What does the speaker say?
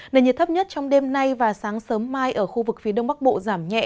nền nhiệt thấp nhất trong đêm nay và sáng sớm mai ở khu vực phía đông bắc bộ giảm nhẹ